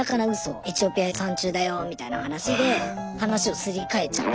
エチオピア三中だよみたいな話で話をすり替えちゃう。